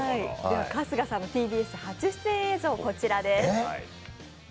春日さんのＴＢＳ初出演映像、こちらです。